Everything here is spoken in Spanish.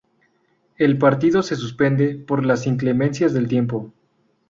El partido se suspende por las inclemencias del tiempo..